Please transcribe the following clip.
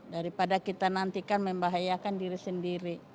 daripada kita nantikan membahayakan diri sendiri